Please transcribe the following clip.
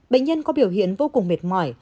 bệnh nhân có biểu hiện vô cùng mệt mỏi